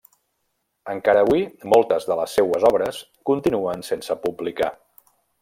Encara avui moltes de les seues obres continuen sense publicar.